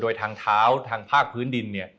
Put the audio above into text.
โดยทางเท้าทางภาคพื้นดิน